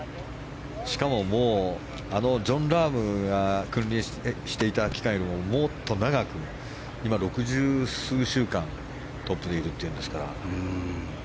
しかもあのジョン・ラームが君臨していた期間よりももっと長く、六十数週間トップでいるというんですから。